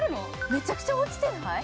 めちゃくちゃ落ちてない？